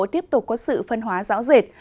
tiếp tục có sự phân hóa rõ rệt